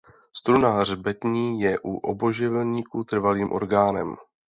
Struna hřbetní je u obojživelníků trvalým orgánem.